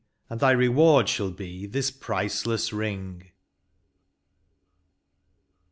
And thy reward shall fce this priceless ring."